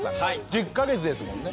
１０か月ですもんね。